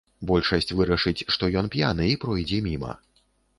Большасць вырашыць, што ён п'яны, і пройдзе міма.